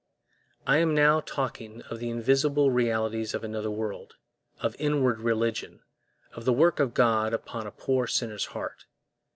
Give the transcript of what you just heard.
I am now talking of the invisible realities of another world, of inward religion, of the work of God upon a poor sinner's heart.